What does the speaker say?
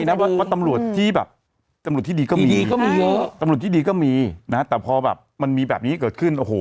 นะว่าตำรวจที่แบบตำรวจที่ดีก็มีเยอะตำรวจที่ดีก็มีนะฮะแต่พอแบบมันมีแบบนี้เกิดขึ้นโอ้โห